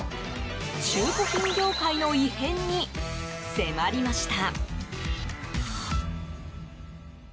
中古品業界の異変に迫りました。